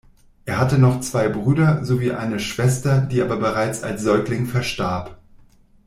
Er hatte noch zwei Brüder sowie eine Schwester, die aber bereits als Säugling verstarb.